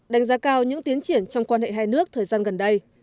đánh giá cao những tiến triển trong quan hệ hai nước thời gian gần đây